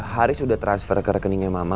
haris sudah transfer ke rekeningnya mama